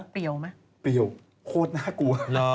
เปรี้ยวไหมเปรี้ยวโคตรน่ากลัว